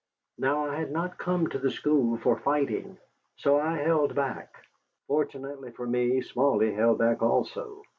Now I had not come to the school for fighting. So I held back. Fortunately for me, Smally held back also.